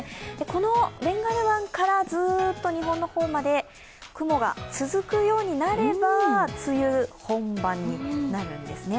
このベンガル湾からずーっと日本の方まで雲が続くようになれば梅雨本番になるんですね。